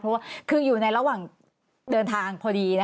เพราะว่าคืออยู่ในระหว่างเดินทางพอดี